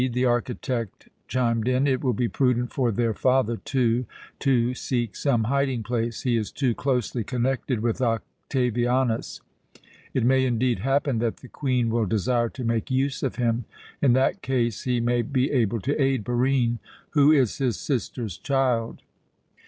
the architect chimed in. "It will be prudent for their father, too, to seek some hiding place. He is too closely connected with Octavianus. It may indeed happen that the Queen will desire to make use of him. In that case he may be able to aid Barine, who is his sister's child.